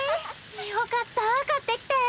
よかった買ってきて。